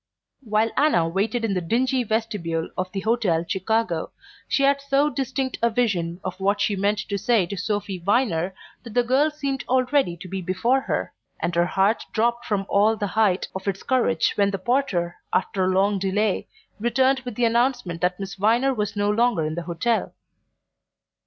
While Anna waited in the dingy vestibule of the Hotel Chicago she had so distinct a vision of what she meant to say to Sophy Viner that the girl seemed already to be before her; and her heart dropped from all the height of its courage when the porter, after a long delay, returned with the announcement that Miss Viner was no longer in the hotel.